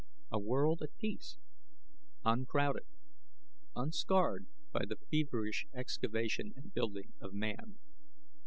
A world at peace, uncrowded, unscarred by the feverish excavation and building of man.